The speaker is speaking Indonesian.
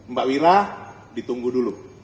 mbak wira ditunggu dulu